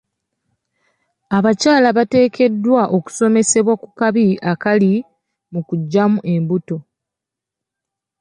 Abakyala bateekeddwa okusomesebwa ku kabi akali mu kuggyamu embuto.